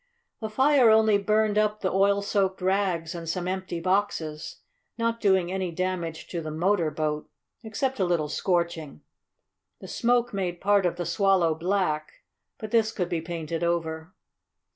The fire only burned up the oil soaked rags and some empty boxes, not doing any damage to the motor boat, except a little scorching. The smoke made part of the Swallow black, but this could be painted over.